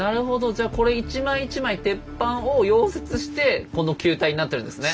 じゃあこれ一枚一枚鉄板を溶接してこの球体になってるんですね。